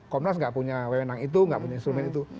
komnas gak punya wewenang itu nggak punya instrumen itu